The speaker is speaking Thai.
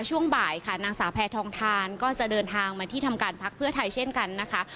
ช่วงบ่ายค่ะนางสาวแพทองทานก็จะเดินทางมาที่ทำการพักเพื่อไทยเช่นกันนะคะ